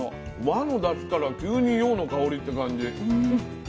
和のだしから急に洋の香りって感じ。